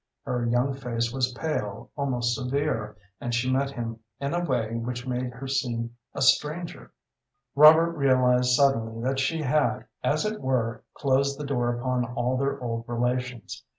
Her young face was pale, almost severe, and she met him in a way which made her seem a stranger. Robert realized suddenly that she had, as it were, closed the door upon all their old relations.